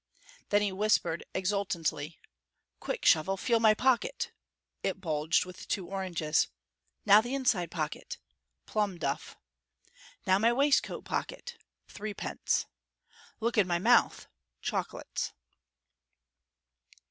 Then he whispered, exultantly: "Quick, Shovel, feel my pocket" (it bulged with two oranges), "now the inside pocket" (plum duff), "now my waistcoat pocket" (threepence); "look in my mouth" (chocolates).